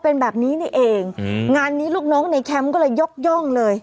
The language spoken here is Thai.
เป็นแบบนี้นี่เองอืมงานนี้ลูกน้องในแคมป์ก็เลยยกย่องเลย